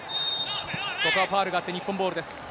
ここはファウルがあって、日本ボールです。